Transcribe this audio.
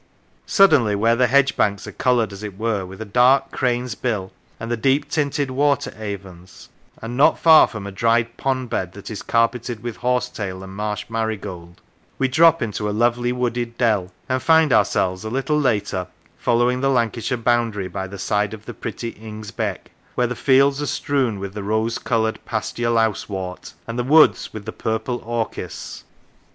Suddenly, where the hedge banks are coloured, as it were, with a dark crane's bill, and the deep tinted water avens, and not far from a dried pond bed that is carpeted with horse tail and marsh marigold, we drop into a lovely wooded dell, and find ourselves, a little later, following the Lancashire boundary by the side of the pretty Ings Beck, where the fields are strewn with the rose coloured pasture lousewort, and the woods with the purple orchis.